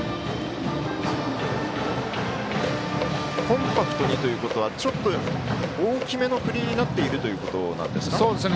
コンパクトにということはちょっと大きめの振りになっているということなんでしょうか。